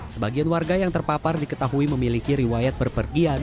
sebagian warga yang terpapar diketahui memiliki riwayat berpergian